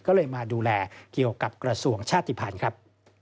ก็เลยมาดูแลเกี่ยวกับกระทรวงชาติภัณฑ์ครับ